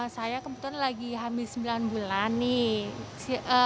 saya kebetulan lagi hamil sembilan bulan nih